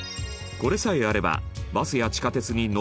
これさえあればバスや地下鉄に乗り放題。